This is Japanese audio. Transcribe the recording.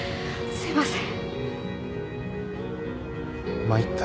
すいません。